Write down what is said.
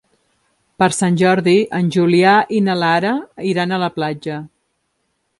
Per Sant Jordi en Julià i na Lara iran a la platja.